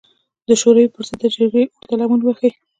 د شوروي پر ضد د جګړې اور ته لمن ووهي.